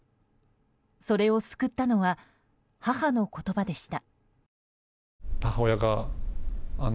それを救ったのは母の言葉でした。